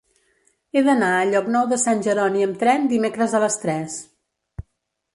He d'anar a Llocnou de Sant Jeroni amb tren dimecres a les tres.